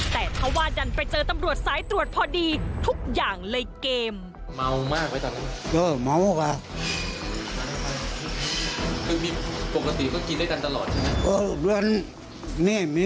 แต่เขาว่าดันไปเจอตำรวจสายตรวจพอดีทุกอย่างเลยเกม